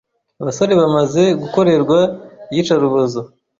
abasore bamaze gukorerwa iyicarubozo